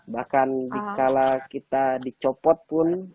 bahkan dikala kita dicopot pun